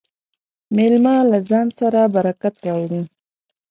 مېلمه له ځان سره برکت راوړي.